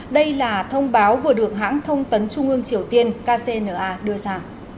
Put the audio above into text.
đây là thông báo vừa được hãng thông tấn trung ương triều tiên kcna đưa ra